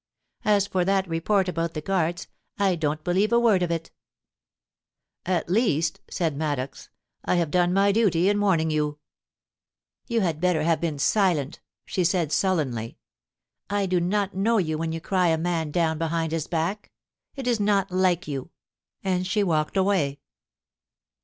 As for that report about the Guards, I don't believe a word of it' * At least,' said Maddox, * I have done my duty in warning you.' * You had better have been silent,' she said sullenly. * I do not know you when you cry a man down behind his back : it is not like you ;' and she walked away.